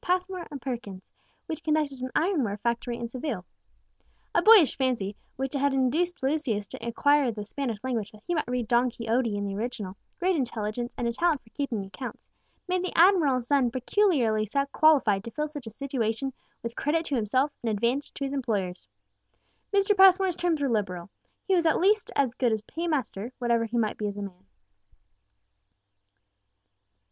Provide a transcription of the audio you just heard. Passmore and Perkins, which conducted an ironware factory in Seville. A boyish fancy, which had induced Lucius to acquire the Spanish language that he might read Don Quixote in the original, great intelligence, and a talent for keeping accounts, made the admiral's son peculiarly qualified to fill such a situation with credit to himself and advantage to his employers. Mr. Passmore's terms were liberal: he was at least good as a paymaster, whatever he might be as a man.